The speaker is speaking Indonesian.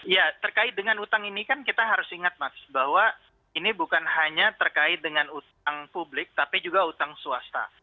ya terkait dengan utang ini kan kita harus ingat mas bahwa ini bukan hanya terkait dengan utang publik tapi juga utang swasta